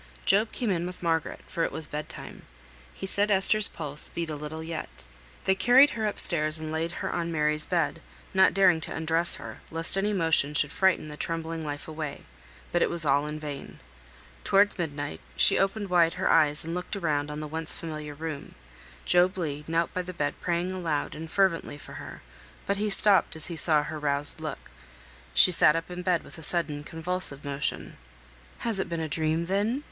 Job came in with Margaret, for it was bed time. He said Esther's pulse beat a little yet. They carried her upstairs and laid her on Mary's bed, not daring to undress her, lest any motion should frighten the trembling life away; but it was all in vain. Towards midnight, she opened wide her eyes and looked around on the once familiar room; Job Legh knelt by the bed praying aloud and fervently for her, but he stopped as he saw her roused look. She sat up in bed with a sudden convulsive motion. "Has it been a dream then?"